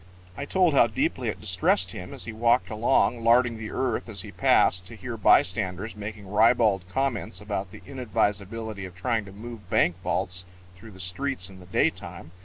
I told how deeply it distressed him as he walked along, larding the earth as he passed, to hear bystanders making ribald comments about the inadvisability of trying to move bank vaults through the streets in the daytime.